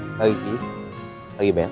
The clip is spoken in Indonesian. selamat pagi mas rendy